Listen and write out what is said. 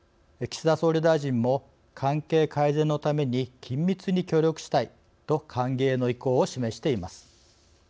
岸田総理大臣も関係改善のために緊密に協力したいと歓迎の意向を示しています。